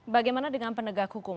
bagaimana dengan penegak hukum